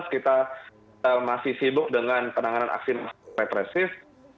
dua ribu sembilan belas kita masih sibuk dengan penanganan aksi masyarakat represif